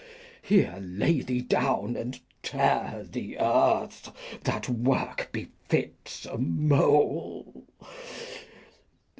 Here lay thee down, And tear the Earth, that Work befits a Mole.